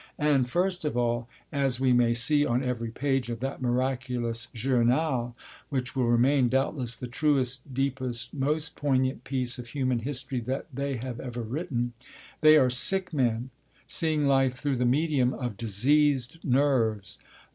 And, first of all, as we may see on every page of that miraculous Journal, which will remain, doubtless, the truest, deepest, most poignant piece of human history that they have ever written, they are sick men, seeing life through the medium of diseased nerves.